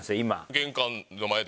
玄関の前で？